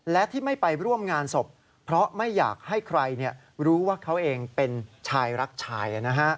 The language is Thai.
และที่ไม่ไปร่วมงานศพเพราะไม่อยากให้ใครรู้ว่าเขาเองเป็นชายรักชาย